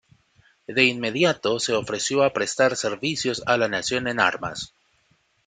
De inmediato se ofreció a prestar servicios a la nación en armas.